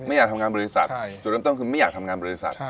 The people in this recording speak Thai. อยากทำงานบริษัทจุดเริ่มต้นคือไม่อยากทำงานบริษัท